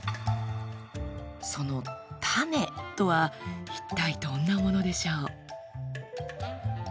その種とは一体どんなものでしょう？